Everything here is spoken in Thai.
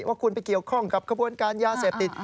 ว่าคุณไปเกี่ยวข้องกับขบวนการยาเสพติด